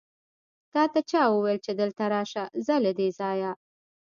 تاته چا وويل چې دلته راشه؟ ځه له دې ځايه!